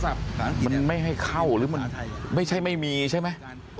โทรศัพท์มันไม่ให้เข้าหรือมันไม่ใช่ไม่มีใช่ไหมอืม